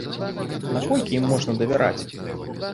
Наколькі ім можна давяраць?